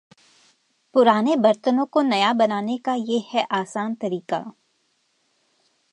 पुराने बर्तनों को नया बनाने का ये है आसान तरीका